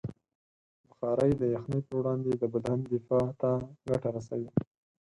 بخاري د یخنۍ پر وړاندې د بدن دفاع ته ګټه رسوي.